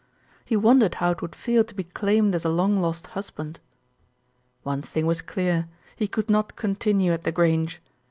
He won dered how it would feel to be claimed as a long lost husband. One thing was clear, he could not continue at The Grange.